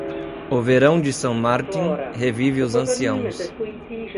O verão de San Martín revive os anciãos.